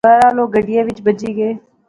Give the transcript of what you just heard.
بہرحال او گڈیا وچ بہجی گئے